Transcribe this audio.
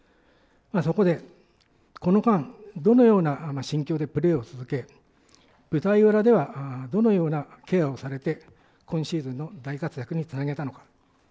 そこで、この間どのような心境でプレーを続け、舞台裏ではどのようなケアをされて、今シーズンの大活躍につなげたのか。